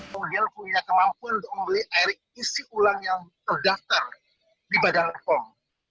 kemudian punya kemampuan untuk membeli air isi ulang yang terdaftar di badan pom